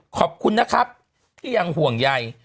ขอบคุณนะครับที่ยังห่วงใย